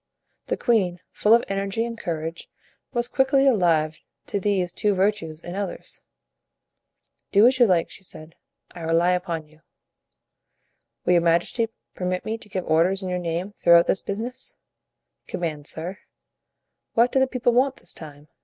The queen, full of energy and courage, was quickly alive to these two virtues in others. "Do as you like," she said, "I rely upon you." "Will your majesty permit me to give orders in your name throughout this business?" "Command, sir." "What do the people want this time?"